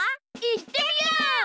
いってみよう！